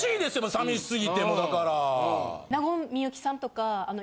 寂しすぎてもうだから。